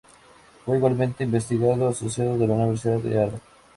Fue igualmente investigador asociado de la Universidad de Harvard.